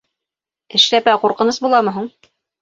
Эшләпә ҡурҡыныс буламы һуң?